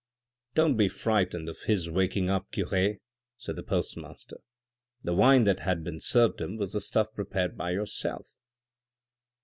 " Don't be frightened of his waking up, cure," said the post master, "the wine that has been served him was the stuff prepared by yourself."